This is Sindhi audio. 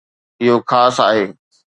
اهو خاص آهي